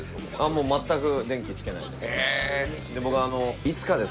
もう全く電気つけないでへえ